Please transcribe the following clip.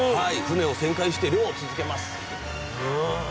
船を旋回して漁を続けます。